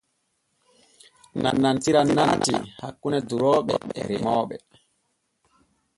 Nanantiran naatii hakkune durooɓe et remooɓe.